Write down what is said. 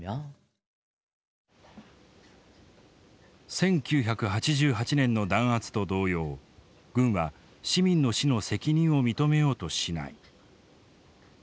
１９８８年の弾圧と同様軍は市民の死の責任を認めようとしない。